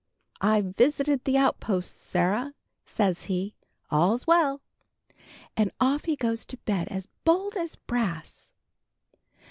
'I've visited the outposts, Sarah,' says he; 'all's well.' And off he goes to bed as bold as brass."